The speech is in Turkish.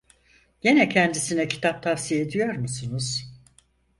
Gene kendisine kitap tavsiye ediyor musunuz?